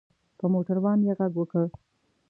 په موټر وان یې غږ وکړ.